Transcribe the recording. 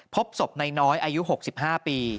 พบศพนายน้อยอายุ๖๕ปี